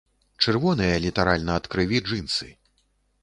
Чырвоныя літаральна ад крыві джынсы.